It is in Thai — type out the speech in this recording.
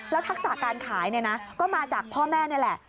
ทักษะการขายก็มาจากพ่อแม่นี่แหละ